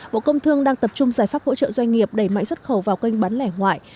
bộ công thương đang tập trung giải pháp hỗ trợ doanh nghiệp đẩy mạnh xuất khẩu vào kênh bán lẻ ngoại